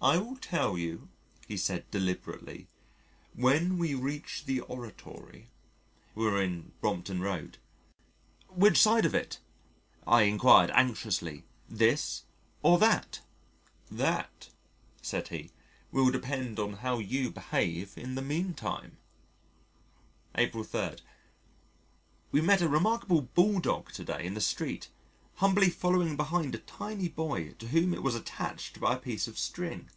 "I will tell you," he said deliberately, "when we reach the Oratory." (We were in Brompton Road.) "Which side of it?" I enquired anxiously. "This or that?" "That," said he, "will depend on how you behave in the meantime." April 3. We met a remarkable Bulldog to day in the street, humbly following behind a tiny boy to whom it was attached by a piece of string.